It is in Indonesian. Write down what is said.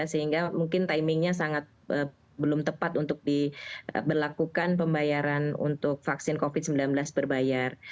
sehingga mungkin timingnya sangat belum tepat untuk diberlakukan pembayaran untuk vaksin covid sembilan belas berbayar